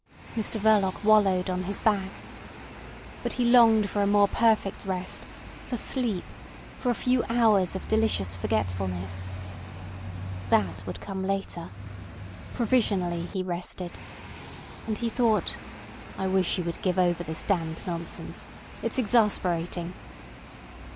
Mr Verloc wallowed on his back. But he longed for a more perfect rest—for sleep—for a few hours of delicious forgetfulness. That would come later. Provisionally he rested. And he thought: "I wish she would give over this damned nonsense. It's exasperating."